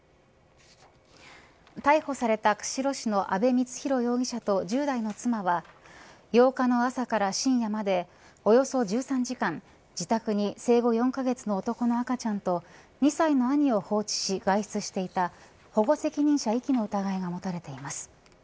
逮捕された釧路市の阿部光浩容疑者と１０代の妻は８日の朝から深夜までおよそ１３時間自宅に生後４カ月の男の赤ちゃんと２歳の兄を放置し外出していた保護責任者遺棄の疑いが持たれています。